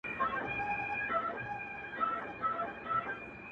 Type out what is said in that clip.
تك سپين زړگي ته دي پوښ تور جوړ كړی,